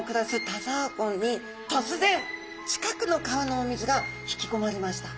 田沢湖に突然近くの川のお水が引きこまれました。